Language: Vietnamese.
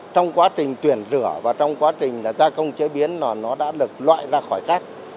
trong quá trình tuyển rửa và trong quá trình gia công chế biến là nó đã được loại ra khỏi cát